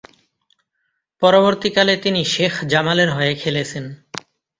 পরবর্তীকালে, তিনি শেখ জামালের হয়ে খেলেছেন।